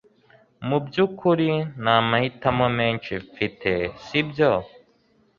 Mubyukuri nta mahitamo menshi mfite sibyo